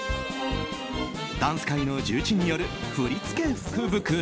ダンス界の重鎮による振付福袋。